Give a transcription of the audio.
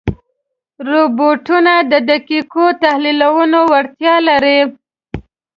روبوټونه د دقیقو تحلیلونو وړتیا لري.